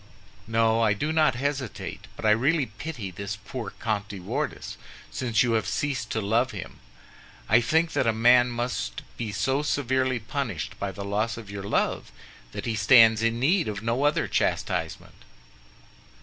"No, I do not hesitate; but I really pity this poor Comte de Wardes, since you have ceased to love him. I think that a man must be so severely punished by the loss of your love that he stands in need of no other chastisement."